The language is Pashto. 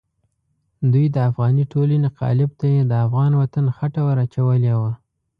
دوی د افغاني ټولنې قالب ته یې د افغان وطن خټه ور اچولې وه.